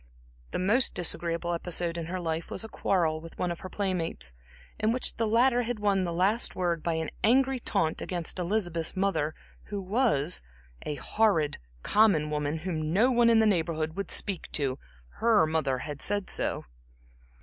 The most disagreeable episode in her life was a quarrel with one of her playmates, in which the latter had won the last word by an angry taunt against Elizabeth's mother, who was "a horrid, common woman, whom no one in the Neighborhood, would speak to her mother had said so."